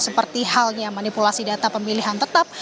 seperti halnya manipulasi data pemilihan tetap